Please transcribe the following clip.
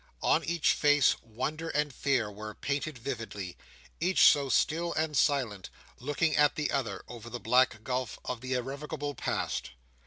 On each face, wonder and fear were painted vividly; each so still and silent, looking at the other over the black gulf of the irrevocable past.